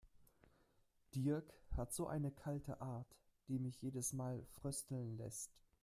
Dirk hat so eine kalte Art, die mich jedes Mal frösteln lässt.